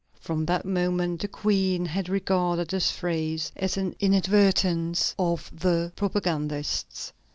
From that moment the Queen had regarded this phrase as an inadvertence of the propagandists."